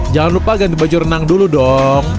jangan lupa ganti baju renang dulu dong